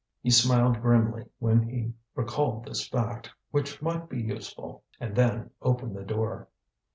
He smiled grimly when he recalled this fact, which might be useful, and then opened the door.